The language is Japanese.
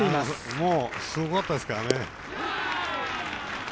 もうすごかったですからね。